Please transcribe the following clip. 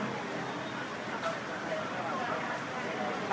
สวัสดีครับ